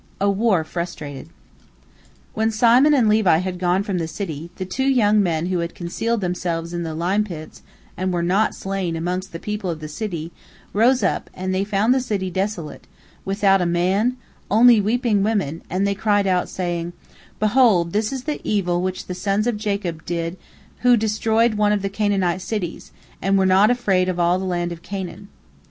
A WAR FRUSTRATED When Simon and Levi had gone from the city, the two young men who had concealed themselves in the lime pits, and were not slain amongst the people of the city, rose up, and they found the city desolate, without a man, only weeping women, and they cried out, saying, "Behold, this is the evil which the sons of Jacob did who destroyed one of the Canaanite cities, and were not afraid of all the land of Canaan."